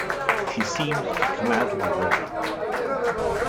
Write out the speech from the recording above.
She seemed to come out of a reverie.